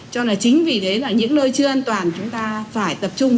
cho là chính vì thế là những nơi chưa an toàn chúng ta phải tập trung